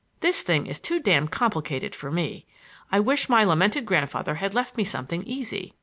This thing is too damned complicated for me. I wish my lamented grandfather had left me something easy.